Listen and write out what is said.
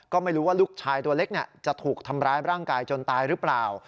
ก็ไม่รู้ว่าลูกชายตัวเล็กจะถูกทำร้ายร่างกายจนตายหรือเปล่า